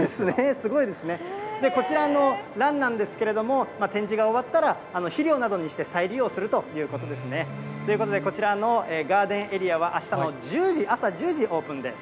すごいですね。こちらのランなんですけれども、展示が終わったら、肥料などにして再利用するということですね。ということで、こちらのガーデン・エリアは、あしたの朝１０時オープンです。